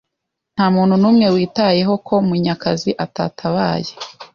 Ntamuntu numwe witayeho ko Munyakazi atatabaye.